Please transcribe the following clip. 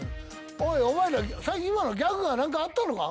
おいお前ら今のギャグは何かあったのか？